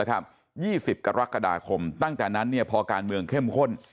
๒๐กรกฎาคมตั้งแต่นั้นพอการเมืองเข้มข้น